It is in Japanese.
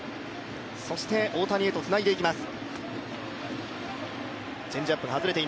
そして大谷へとつないでいきます。